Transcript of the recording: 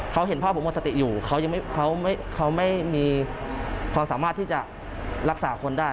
เขาเห็นพ่อผมหมดสติอยู่เขาไม่มีความสามารถที่จะรักษาคนได้